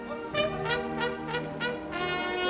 อัศวินธรรมชาติ